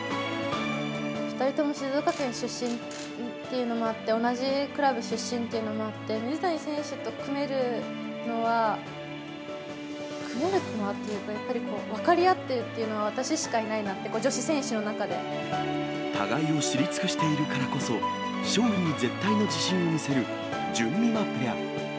２人とも静岡県出身というのもあって、同じクラブ出身というのもあって、水谷選手と組めるのは、組めるのはっていうか、やっぱりこう、分かり合っているというのは、私しかいないなって、女子選手の互いを知り尽くしているからこそ、勝利に絶対の自信を見せるじゅんみまペア。